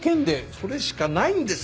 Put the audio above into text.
それしかないんです。